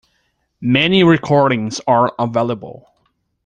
Many recordings are available.